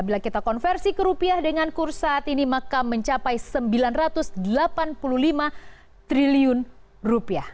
bila kita konversi ke rupiah dengan kurs saat ini maka mencapai sembilan ratus delapan puluh lima triliun rupiah